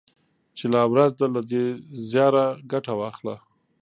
چي لا ورځ ده له دې زياره ګټه واخله